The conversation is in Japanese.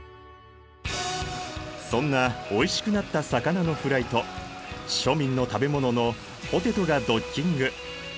そんなおいしくなった魚のフライと庶民の食べ物のポテトがドッキング！